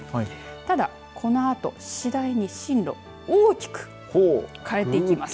ただ、このあと次第に進路大きく変えていきます。